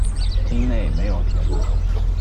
町内没有铁路。